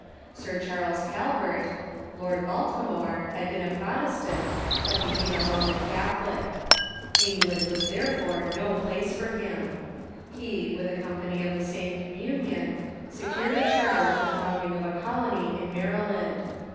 Sir Charles Calvert (Lord Baltimore) had been a Protestant, but became a Roman Catholic. England was therefore no place for him. He, with a company of the same communion, secured a charter for the founding of a colony in Maryland.